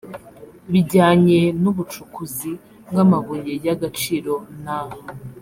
bijyanye n ubucukuzi bw amabuye y agaciro na